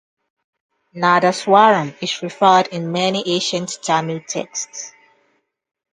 Nadaswaram is referred in many ancient Tamil texts.